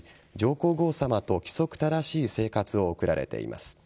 皇后さまと規則正しい生活を送られています。